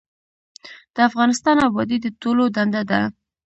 د افغانستان ابادي د ټولو دنده ده